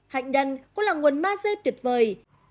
hạnh nhân cũng là nguồn maze tuyệt vời